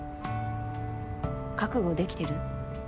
覚悟できてる？